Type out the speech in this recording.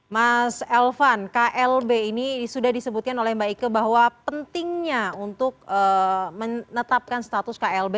mas elvan klb ini sudah disebutkan oleh mbak ike bahwa pentingnya untuk menetapkan status klb